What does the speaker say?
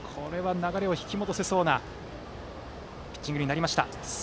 流れを引き戻せそうなピッチングになりました。